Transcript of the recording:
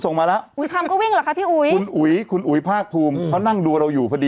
นี่เยอะมากเลย